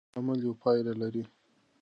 هر عمل یوه پایله لري.